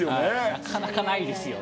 なかなかないですよね。